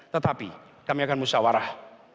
tetapi kami akan musyawarah